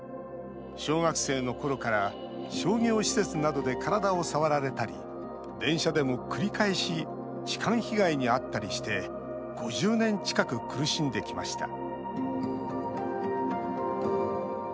小学生のころから商業施設などで体を触られたり電車でも繰り返し痴漢被害にあったりして５０年近く苦しんできました